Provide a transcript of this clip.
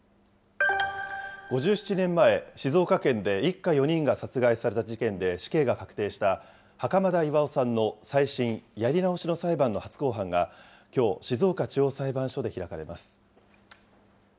５７年前、静岡県で一家４人が殺害された事件で死刑が確定した、袴田巌さんの再審・やり直しの裁判の初公判がきょう、静岡地方裁判所で開かれます。